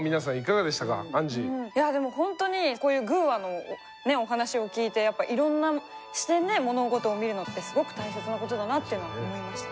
いやぁでもほんとにこういう「グぅ！話」のねお話を聞いてやっぱいろんな視点で物事を見るのってすごく大切なことだなって思いました。